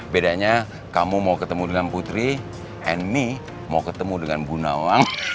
bedanya kamu mau ketemu dengan putri and mee mau ketemu dengan bu nawang